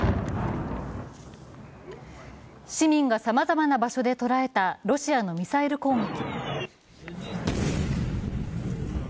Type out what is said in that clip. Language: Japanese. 市民がさまざまな場所で捉えたロシアのミサイル攻撃。